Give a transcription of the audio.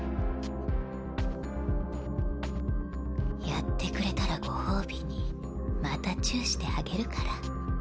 やってくれたらご褒美にまたチューしてあげるから。